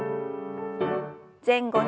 前後に。